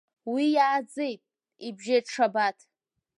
Уи иааӡеит, ибжьеит Шабаҭ.